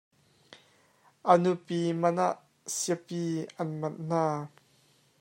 A nupi man ah siapi a manh hna.